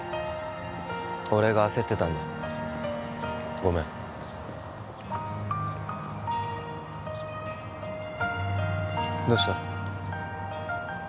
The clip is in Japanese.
俺が焦ってたんだごめんどうした？